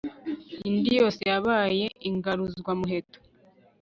indi yose yabaye ingaruzwamuheto